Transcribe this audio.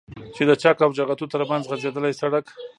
چې د چك او جغتو ترمنځ غځېدلى سړك